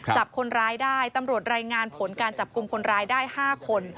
จับคนร้ายได้ตำรวจรายงานผลการจับกลุ่มคนร้ายได้๕คน